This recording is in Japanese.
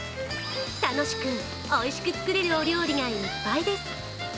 楽しく、おいしく作れるお料理がいっぱいです。